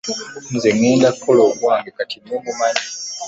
Nze ŋŋenda kukola ogwange kati mmwe mumanyi.